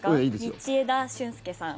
道枝駿佑さん。